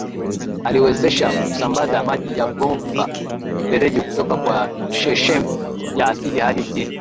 Aliwezesha kusambaza maji ya bomba mfereji kutoka kwa chechem ya asili hadi Mjini